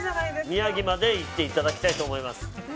宮城まで行っていただきたいと思います。